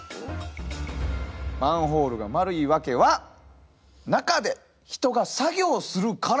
マンホールが丸いワケは中で人が作業をするから。